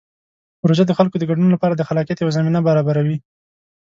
پروژه د خلکو د ګډون لپاره د خلاقیت یوه زمینه برابروي.